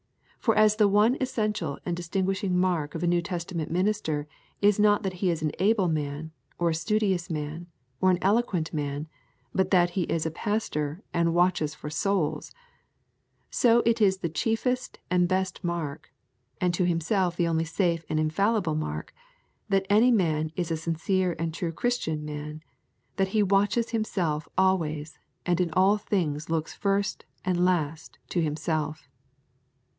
For as the one essential and distinguishing mark of a New Testament minister is not that he is an able man, or a studious man, or an eloquent man, but that he is a pastor and watches for souls, so it is the chiefest and the best mark, and to himself the only safe and infallible mark, that any man is a sincere and true Christian man, that he watches himself always and in all things looks first and last to himself.